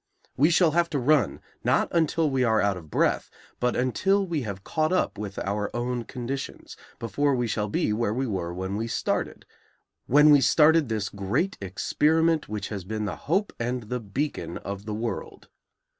We shall have to run, not until we are out of breath, but until we have caught up with our own conditions, before we shall be where we were when we started; when we started this great experiment which has been the hope and the beacon of the world.